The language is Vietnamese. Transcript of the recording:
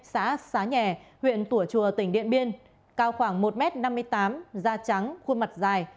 xã xá nhà huyện tủa chùa tỉnh điện biên cao khoảng một m năm mươi tám da trắng khuôn mặt dài